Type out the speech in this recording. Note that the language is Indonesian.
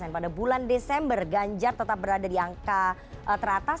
pada bulan desember ganjar tetap berada di angka teratas